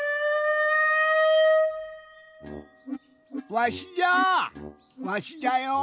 わしじゃわしじゃよ。